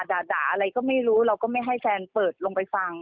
ด่าอะไรก็ไม่รู้เราก็ไม่ให้แฟนเปิดลงไปฟัง